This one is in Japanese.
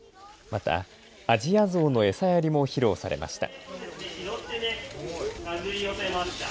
またアジアゾウの餌やりも披露されました。